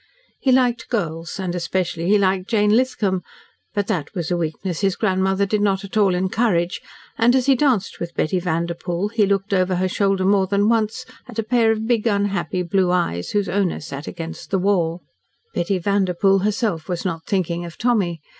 He liked girls, and especially he liked Jane Lithcom, but that was a weakness his grandmother did not at all encourage, and, as he danced with Betty Vanderpoel, he looked over her shoulder more than once at a pair of big, unhappy blue eyes, whose owner sat against the wall. Betty Vanderpoel herself was not thinking of Tommy.